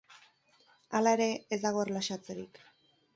Hala ere, ez dago erlaxatzerik.